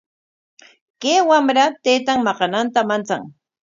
Chay wamra taytan maqananta manchan.